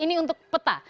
ini untuk peta